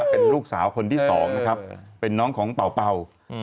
เป็นลูกสาวคนที่สองนะครับเป็นน้องของเป่า